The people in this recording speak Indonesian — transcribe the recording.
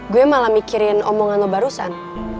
gue malah mikirin omongan lo barusan